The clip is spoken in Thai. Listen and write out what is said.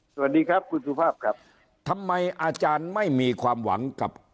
สวัสดีครับคุณสุภาพครับทำไมอาจารย์ไม่มีความหวังกับ